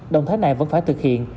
động thái này vẫn phải thực hiện